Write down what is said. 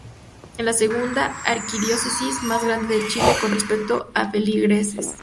Es la segunda arquidiócesis más grande de Chile con respecto a feligreses.